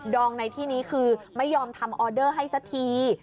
องในที่นี้คือไม่ยอมทำออเดอร์ให้สักที